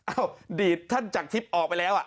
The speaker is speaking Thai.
อดีตท่านจักรทิพย์ออกไปแล้ว